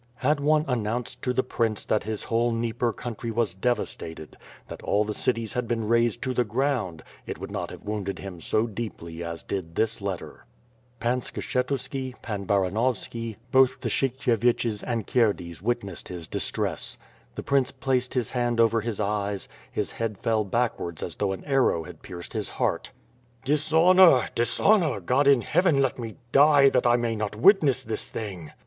Had one announced to the prince that his whole Dnieper country was devastated; that all the cities had ben razed to the ground, it would not have wounded him so deeply as did this letter. Pan Skshetuski, Pan Baranovski, both the Tyshkieviches and Kierdeys witnessed his distress. The prince placed his hand over his eyes, his head fell backwards as though an arrow had pierced his heart. "Dishonor, dishonor, God in Heaven, let me die, that I may not witness this thing."